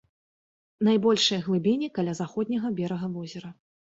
Найбольшыя глыбіні каля заходняга берага возера.